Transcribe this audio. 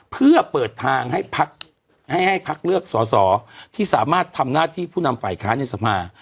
เพื่อเปิดทางให้พักเลือกสอสอที่สามารถทำหน้าที่ผู้นำฝ่ายค้านในสภา